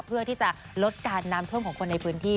เพื่อที่จะลดการน้ำท่วมของคนในพื้นที่